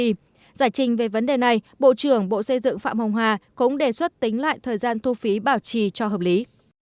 giải trình về vấn đề này bộ trưởng bộ xây dựng phạm hồng hà cũng đề xuất tính lại thời gian thu phí bảo trì cho hợp lý